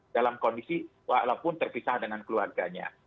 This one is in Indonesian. dalam kondisi walaupun terpisah dengan keluarganya